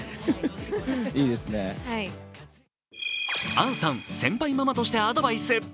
杏さん、先輩ママとしてアドバイス。